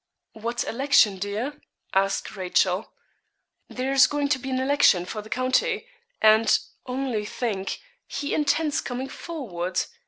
'What election, dear?' asked Rachel. 'There is going to be an election for the county, and only think he intends coming forward.